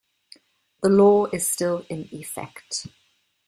The law is still in effect.